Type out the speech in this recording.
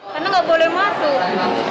karena nggak boleh masuk